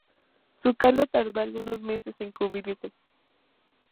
Su cargo tardó algunos meses en cubrirse.